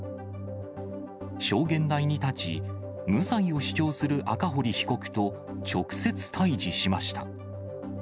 証言台に立ち、無罪を主張する赤堀被告と直接対じしました。